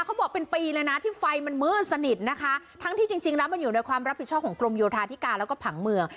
เขาบอกเป็นปีเลยนะที่ไฟมันมืดสนิทนะคะทั้งที่จริงแล้วมันอยู่ในความรับผิดชอบของกรมโยธาธิการแล้วก็ผังเมือง